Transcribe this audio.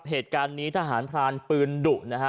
เหตุการณ์นี้ทหารพรานปืนดุนะฮะ